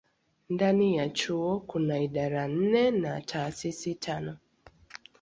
Ndani ya chuo kuna idara nne na taasisi tano.